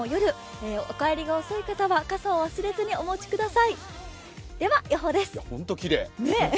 東日本でも夜お帰りが遅い方は傘を忘れずにお持ちください。